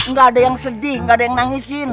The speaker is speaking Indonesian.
gak ada yang sedih gak ada yang nangisin